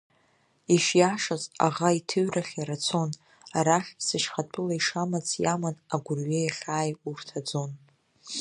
Ишиашаз аӷа иҭыҩрахь иара цон, арахь сышьхатәыла ишамац иаман агәырҩеи ахьааи урҭ аӡон.